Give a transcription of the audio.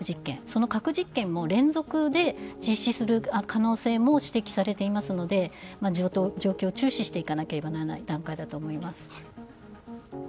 その核実験も連続で実施する可能性も指摘されていますので状況を注視していかなければならない段階だと思います。